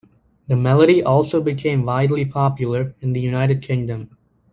The melody also became widely popular in the United Kingdom.